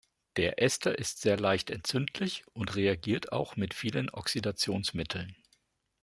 Der Ester ist sehr leicht entzündlich und reagiert auch mit vielen Oxidationsmitteln.